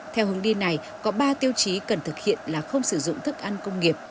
theo hướng đi này có ba tiêu chí cần thực hiện là không sử dụng thức ăn công nghiệp